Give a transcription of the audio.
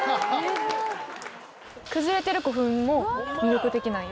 崩れてる古墳も魅力的なんや？